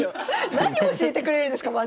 何を教えてくれるんですかまず。